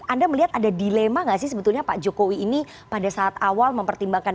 anda melihat ada dilema gak sih sebetulnya pak jokowi ini pada saat awal mempertimbangkan